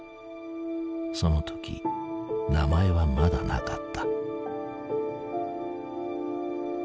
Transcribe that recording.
その時名前はまだなかった。